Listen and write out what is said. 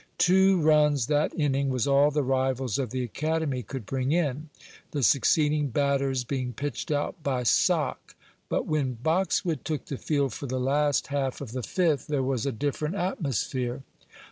Two runs that inning was all the rivals of the academy could bring in, the succeeding batters being pitched out by "Sock." But when Boxwood took the field for the last half of the fifth there was a different atmosphere.